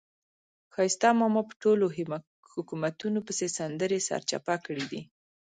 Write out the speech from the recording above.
ښایسته ماما په ټولو حکومتونو پسې سندرې سرچپه کړې دي.